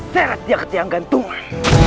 seretnya ketiang gantungan